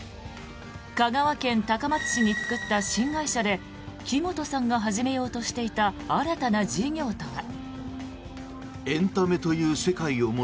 香川県高松市に作った新会社で木本さんが始めようとしていた新たな事業とは。